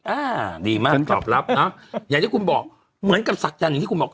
อ่าดีมากตอบรับเนอะอย่างที่คุณบอกเหมือนกับศักดันอย่างที่คุณบอก